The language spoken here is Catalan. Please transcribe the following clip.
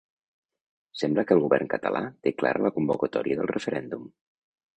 Sembla que el govern català té clara la convocatòria del referèndum.